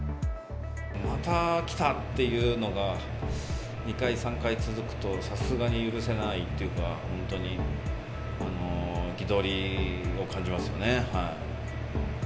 また来たっていうのが、２回、３回続くと、さすがに許せないというか、本当に憤りを感じますよね。